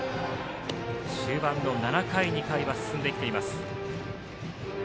終盤の７回に回は進んできています。